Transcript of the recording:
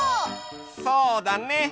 そうだね。